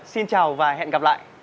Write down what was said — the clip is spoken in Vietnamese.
xin chào và hẹn gặp lại